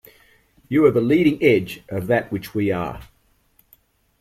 You are the leading edge of that which we are.